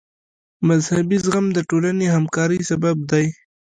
مذهبي زغم د ټولنې همکارۍ سبب دی.